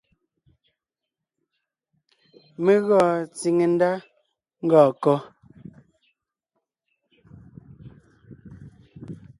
Mé gɔɔn tsìŋe ndá ngɔɔn kɔ́?